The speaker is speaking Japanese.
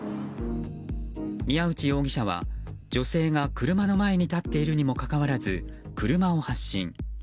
宮内容疑者は、女性が車の前に立っているにもかかわらず車を発進。